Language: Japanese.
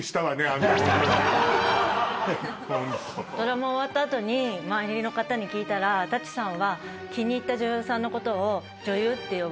ドラマ終わった後に周りの方に聞いたら舘さんは。